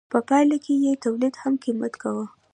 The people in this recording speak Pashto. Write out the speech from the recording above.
په پایله کې یې تولید هم قیمت کاوه.